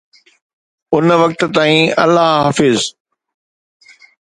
ان وقت تائين الله حافظ